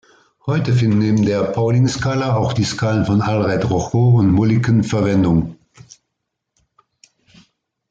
Heute finden neben der Pauling-Skala auch die Skalen von Allred-Rochow und Mulliken Verwendung.